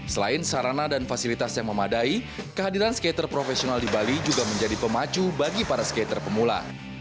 selain sarana dan fasilitas yang memadai kehadiran skater profesional di bali juga menjadi pemacu bagi para skater pemula